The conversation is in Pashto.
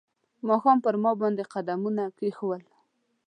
ماښام پر ما باندې قدمونه کښېښول